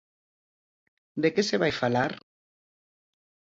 De que se vai falar?